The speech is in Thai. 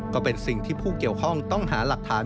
ก็เป็นสิ่งที่ผู้เกี่ยวข้องต้องหาหลักฐาน